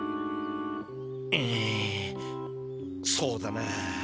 うんそうだな。